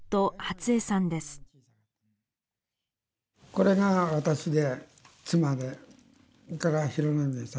これが私で妻でそれから浩宮さま。